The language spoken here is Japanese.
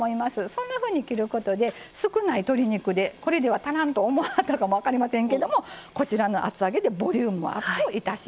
そんなふうに切ることで少ない鶏肉でこれでは足らんと思わはったかもわかりませんけどもこちらの厚揚げでボリュームアップをいたします。